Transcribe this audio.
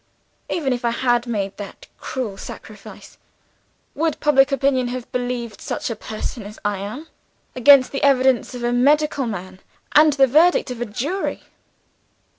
Even if I had made that cruel sacrifice, would public opinion have believed such a person as I am against the evidence of a medical man, and the verdict of a jury?